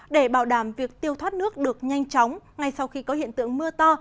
để bảo đảm việc tiêu thoát nước được nhanh chóng ngay sau khi có hiện tượng mưa to